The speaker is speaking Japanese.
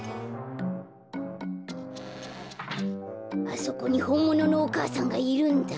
あそこにほんもののお母さんがいるんだ。